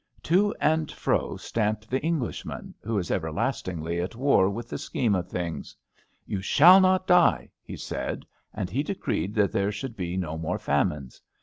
To and fro stamped the Englishman, who is everlastingly at war with the scheme of things. ^^ You shall not die,'' he said, and he decreed that there should be no more famines.